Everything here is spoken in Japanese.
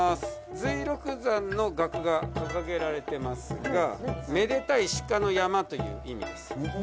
瑞鹿山の額が掲げられてますがめでたい鹿の山という意味です。